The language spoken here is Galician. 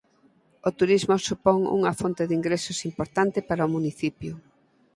O turismo supón unha fonte de ingresos importante para o municipio.